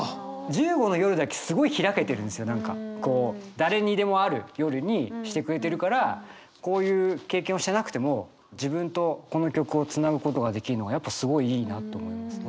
誰にでもある夜にしてくれてるからこういう経験をしてなくても自分とこの曲をつなぐことができるのがやっぱすごいいいなと思いますね。